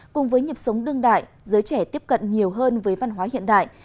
cùng với nhịp sống đương đại giới trẻ tiếp cận nhiều hơn với văn hóa hiện đại